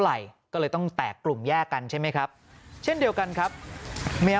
ไหล่ก็เลยต้องแตกกลุ่มแยกกันใช่ไหมครับเช่นเดียวกันครับเมีย